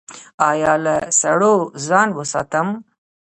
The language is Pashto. ایا له سړو ځان وساتم؟